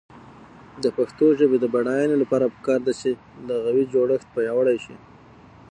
د پښتو ژبې د بډاینې لپاره پکار ده چې لغوي جوړښت پیاوړی شي.